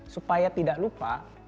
supaya tidak lupa